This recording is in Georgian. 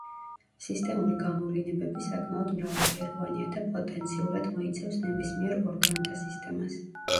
სისტემური გამოვლინებები საკმაოდ მრავალფეროვანია და პოტენციურად მოიცავს ნებისმიერ ორგანოთა სისტემას.